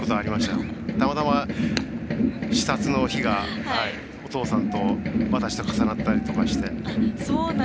たまたま視察の日が、お父さんと私と重なったりして。